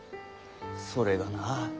それがなあ